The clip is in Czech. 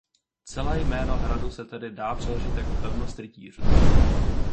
Celé jméno hradu se tedy dá přeložit jako "Pevnost rytířů".